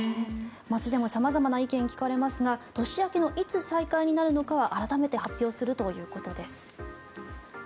街でも様々な意見が聞かれますが年明けのいつ再開になるかは改めて発表するということです。